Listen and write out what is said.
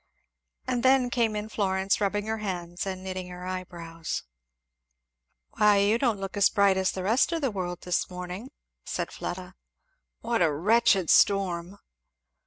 And then came in Florence, rubbing her hands and knitting her eyebrows. "Why don't you look as bright as the rest of the world, this morning," said Fleda. "What a wretched storm!"